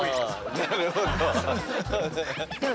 なるほど。